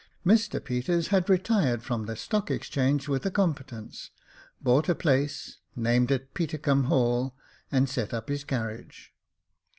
Mr Peters had retired from the Stock Exchange with a competence, bought a place, named it Petercumb Hall, and set up his carriage.